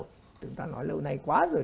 chúng ta nói lâu nay quá rồi